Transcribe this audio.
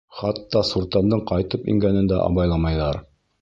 Хатта Суртандың ҡайтып ингәнен дә абайламайҙар.